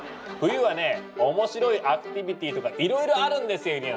冬はね面白いアクティビティーとかいろいろあるんですよ